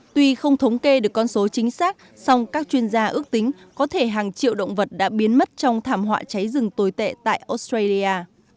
tuy không thống kê được con số chính xác song các chuyên gia ước tính có thể hàng triệu động vật đã biến mất trong thảm họa cháy rừng tồi tệ tại australia